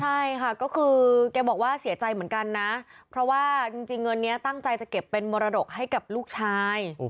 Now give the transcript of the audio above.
ใช่ค่ะก็คือแกบอกว่าเสียใจเหมือนกันนะเพราะว่าจริงเงินนี้ตั้งใจจะเก็บเป็นมรดกให้กับลูกชาย